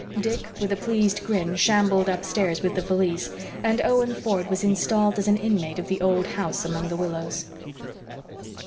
Dick, with a pleased grin, shambled upstairs with the valise, and Owen Ford was installed as an inmate of the old house among the willows.